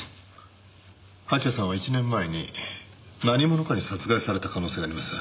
蜂矢さんは１年前に何者かに殺害された可能性があります。